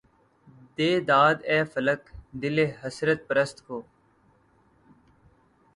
دے داد اے فلک! دلِ حسرت پرست کو